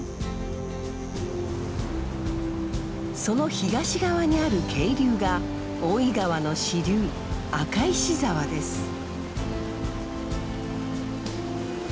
その東側にある渓流が大井川の支流赤石沢です。